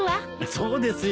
そうですよ。